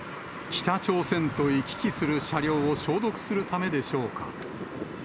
北朝鮮と行き来する車両を消毒するためでしょうか。